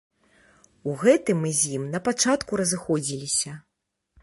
У гэтым мы з ім на пачатку разыходзіліся.